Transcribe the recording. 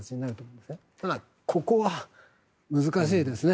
ただ、ここは難しいですね。